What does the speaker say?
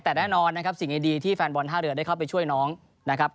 แต่แน่นอนนะครับสิ่งดีที่แฟนบอลท่าเรือได้เข้าไปช่วยน้องนะครับ